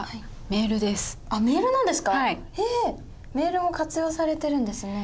メールも活用されてるんですね。